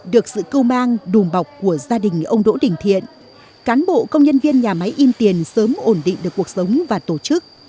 được sự cưu mang đùm bọc của gia đình ông đỗ đình thiện cán bộ công nhân viên nhà máy in tiền sớm ổn định được cuộc sống và tổ chức